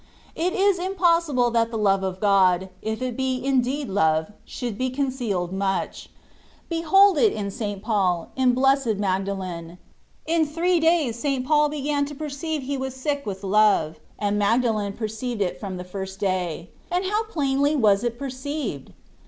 It is impossible that the love of God, if it be indeed love, should be concealed much. Behold it in St, Paul, in blessed Magdalen. In three days St, Paul began to perceive he was sick with love, and Magdalen perceived it from the first day. And how plainly was it perceived